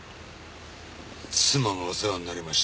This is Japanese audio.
妻がお世話になりました。